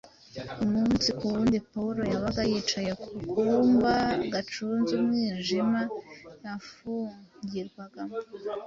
Umunsi ku wundi Pawulo yabaga yicaye mu kumba gacuze umwijima yafungirwagamo.